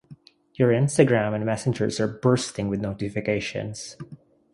Your Instagram and messengers are bursting with notifications.